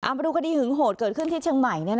มาดูคดีหึงโหดเกิดขึ้นที่เชียงใหม่